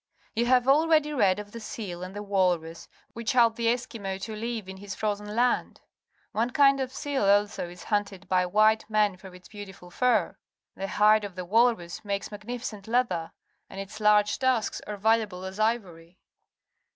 You have already read of the seal and the walrus^ which help the Eskimo to five in his frozen land. One kind of seal, also, is hunted by wliite men for its beautiful fur. The hide of the walrus makes magnificent leather, and its large tusks are valuable as ivory.